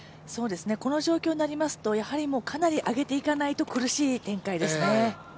この状況になりますとやはりかなり上げていかないと苦しい展開ですね。